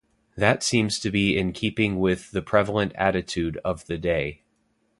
That seems to be in keeping with the prevalent attitude of the day.